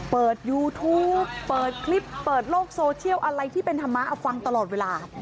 เปิดยูทูปเปิดคลิปเปิดโลกโซเชียลอะไรที่เป็นธรรมะเอาฟังตลอดเวลา